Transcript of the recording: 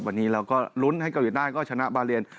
วันนี้เราก็ลุ้นให้เกาหลีใต้ก็ชนะบาเลียน